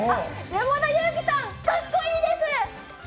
山田裕貴さん、かっこいいです！